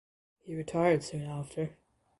He retired soon after.